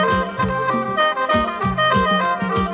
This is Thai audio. สวัสดีครับสวัสดีครับ